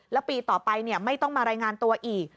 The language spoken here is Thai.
แล้วปีต่อไปไม่ต้องมารายงานตัวอีก